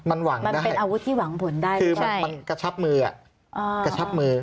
มันหวังได้คนที่ข้างฉับมืออ่ะ